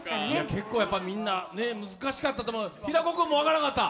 結構みんな難しかったと思う、平子君も分からなかった？